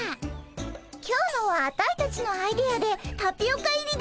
今日のはアタイたちのアイデアでタピオカ入りだよ。